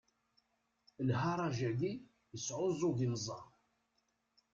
Lharaǧ-agi yesɛuẓẓug imeẓaɣ.